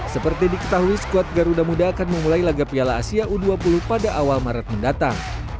seperti diketahui skuad garuda muda akan memulai laga piala asia u dua puluh pada awal maret mendatang